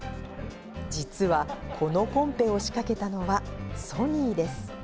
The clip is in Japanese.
実は、このコンペを仕掛けたのはソニーです。